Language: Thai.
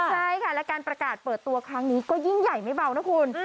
ใช่ค่ะและการประกาศเปิดตัวครั้งนี้ก็ยิ่งใหญ่ไม่เบานะคุณ